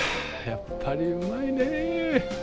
やっぱりうまいね。